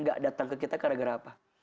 gak datang ke kita karena gerah apa